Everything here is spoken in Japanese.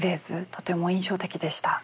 とても印象的でした。